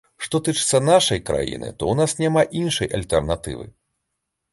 Што тычыцца нашай краіны, то ў нас няма іншай альтэрнатывы.